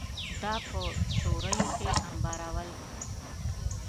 دا په سوریو کې انبارول